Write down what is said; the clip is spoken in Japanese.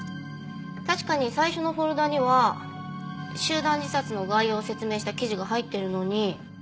確かに最初のフォルダには集団自殺の概要を説明した記事が入ってるのに。